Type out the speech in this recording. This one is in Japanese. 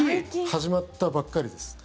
始まったばっかりです。